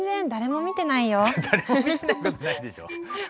誰も見てない事ないでしょ。